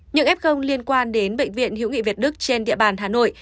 những f liên quan đến bệnh viện hữu nghị việt đức trên địa bàn hà nội